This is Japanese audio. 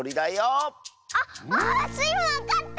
あっああっ⁉スイもわかった！